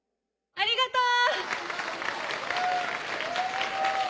ありがとう！